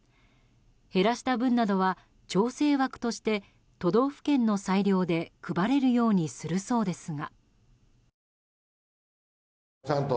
減らした分などは調整枠として都道府県の裁量で配れるようにするそうですが。